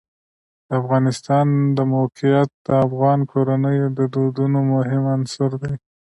د افغانستان د موقعیت د افغان کورنیو د دودونو مهم عنصر دی.